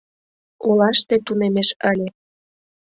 Олаште тунемеш ыле.